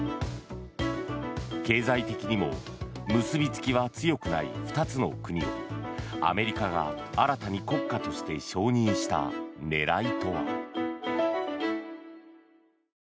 経済的にも結びつきは強くない２つの国をアメリカが新たに国家として承認した狙いとは。